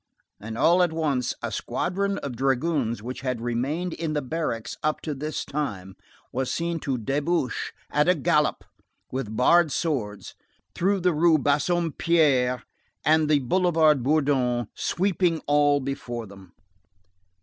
and all at once, a squadron of dragoons which had remained in the barracks up to this time, was seen to debouch at a gallop with bared swords, through the Rue Bassompierre and the Boulevard Bourdon, sweeping all before them.